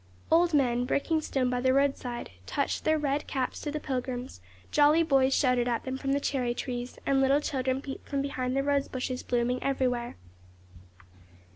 Old men, breaking stone by the roadside, touched their red caps to the pilgrims, jolly boys shouted at them from the cherry trees, and little children peeped from behind the rose bushes blooming everywhere.